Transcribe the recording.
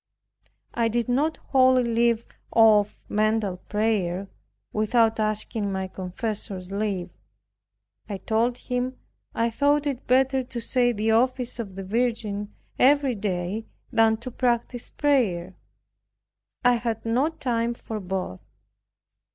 I did not wholly leave off mental prayer, without asking my confessor's leave. I told him I thought it better to say the office of the Virgin every day than to practice prayer; I had not time for both.